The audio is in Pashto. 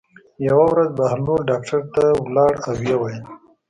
یوه ورځ بهلول ډاکټر ته لاړ او ویې ویل.